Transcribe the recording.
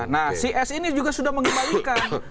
nah si s ini juga sudah mengembalikan